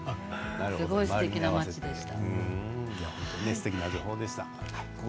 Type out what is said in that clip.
すごいすてきな町でした。